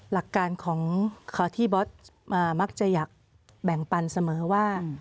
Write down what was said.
หลักการของที่บอสมักจะอยากแบ่งปันเสมอว่า